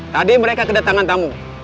tadi mereka kedatangan tamu